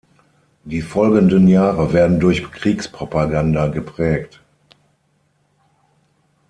Die folgenden Jahre werden durch Kriegspropaganda geprägt.